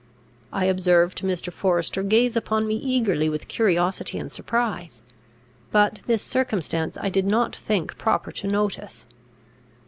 I observed Mr. Forester gaze upon me eagerly with curiosity and surprise; but this circumstance I did not think proper to notice.